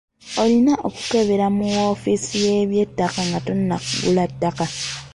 Olina okukebera mu woofisi y'ebyettaka nga tonnagula ttaka.